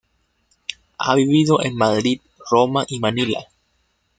Ha vivido en Madrid, Roma, y Manila.